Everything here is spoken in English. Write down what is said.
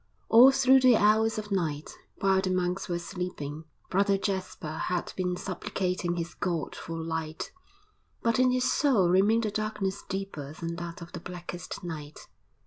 All through the hours of night, while the monks were sleeping, Brother Jasper had been supplicating his God for light; but in his soul remained a darkness deeper than that of the blackest night.